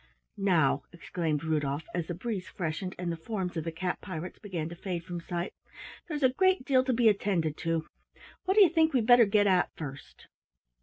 "Now," exclaimed Rudolf, as the breeze freshened and the forms of the cat pirates began to fade from sight, "there's a great deal to be attended to. What do you think we'd better get at first?"